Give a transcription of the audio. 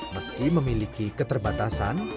meski memiliki keterbatasan